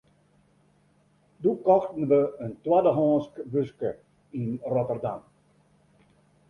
Doe kochten we in twaddehânsk buske yn Rotterdam.